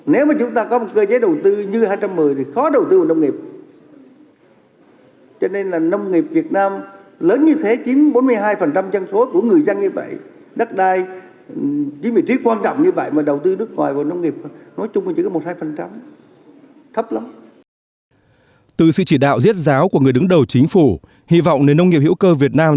nếu mà chúng ta có một cơ chế đầu tư như hai trăm một mươi thì khó đầu tư vào nông nghiệp